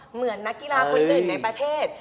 เหมือนนักกีฬาคนอื่นในประเทศ